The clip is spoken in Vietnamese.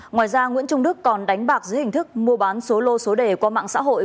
ngoài ra nguyễn trung đức còn đánh bạc dưới hình thức mua bán số lô số đề qua mạng xã hội